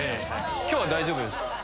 今日は大丈夫ですか？